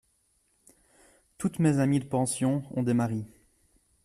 Toutes mes amies de pension ont des maris.